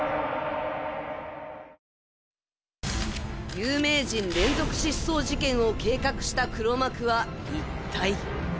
有名人連続失踪事件を計画した黒幕は、一体。